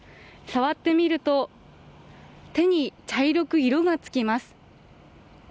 触ってみると手に茶色く色が付きます。